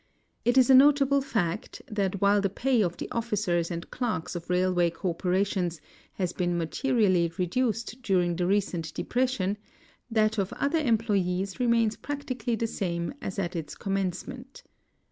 It is a notable fact that while the pay of the ollicers and clerks of railway corporations has been materially reduced during the recent depression, that of other employe's remains practically the same as at its commencement.